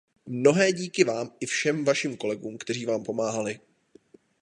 Mnohé díky vám i všem vašim kolegům, kteří vám pomáhali.